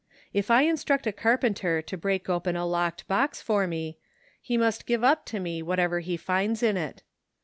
If I instruct a carpenter to break open a locked box for me, he must give up to me whatever he finds in it.